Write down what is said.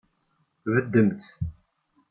Beddemt.